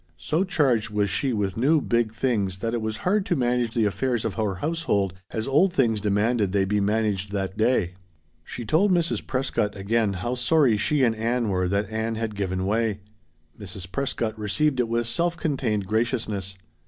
So charged was she with new big things that it was hard to manage the affairs of her household as old things demanded they be managed that day. She told Mrs. Prescott again how sorry she and Ann were that Ann had given way. Mrs. Prescott received it with self contained graciousness.